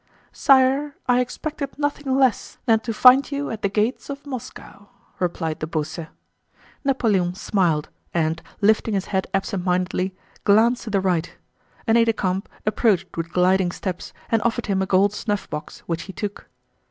"Sire, I expected nothing less than to find you at the gates of Moscow," replied de Beausset. Napoleon smiled and, lifting his head absent mindedly, glanced to the right. An aide de camp approached with gliding steps and offered him a gold snuffbox, which he took.